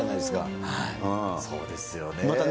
そうですよね。